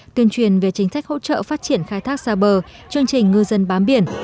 tuyên truyền về chính sách hỗ trợ phát triển khai thác xa bờ chương trình ngư dân bám biển